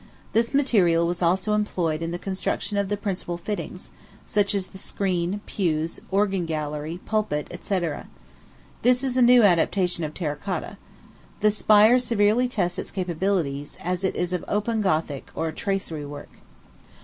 This material was also employed in the construction of the principal fittings, such as the screen, pews, organ gallery, pulpit, &c. This is a new adaptation of terra cotta. The spire severely tests its capabilities, as it is of open Gothic, or tracery work.